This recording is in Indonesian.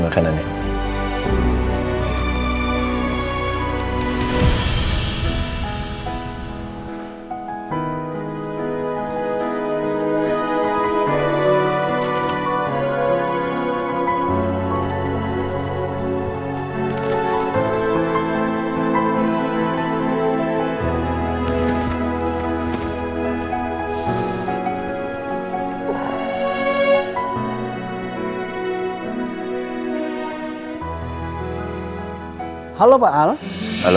gak usah mas